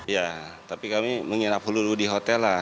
ya tapi kami menginap lulu lulu di hotel lah